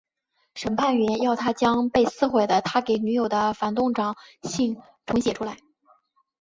审判员要他将被撕毁的他给女友的反动长信重写出来。